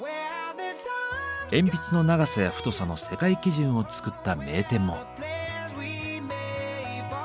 鉛筆の長さや太さの世界基準を作った名店も。